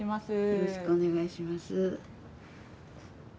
よろしくお願いします。